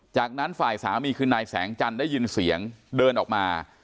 จากนั้นฝ่ายสามีคือนายแสงจันทร์ได้ยินเสียงเดินออกมา